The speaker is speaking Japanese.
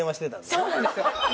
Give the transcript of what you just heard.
そうなんですよ。